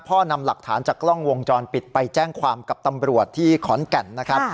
นำหลักฐานจากกล้องวงจรปิดไปแจ้งความกับตำรวจที่ขอนแก่นนะครับ